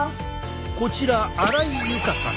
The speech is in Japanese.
こちら荒井佑香さん。